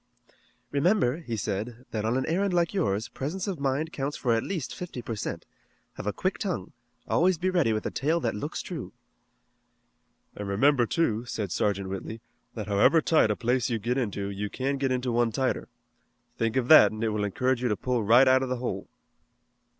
"Remember," he said, "that on an errand like yours, presence of mind counts for at least fifty per cent. Have a quick tongue. Always be ready with a tale that looks true." "An' remember, too," said Sergeant Whitley, "that however tight a place you get into you can get into one tighter. Think of that and it will encourage you to pull right out of the hole."